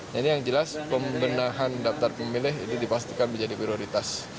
jadi yang jelas pembendahan daftar pemilih itu dipastikan menjadi prioritas